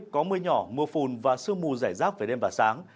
có mưa nhỏ mưa phùn và sương mù giải rác về đêm và sáng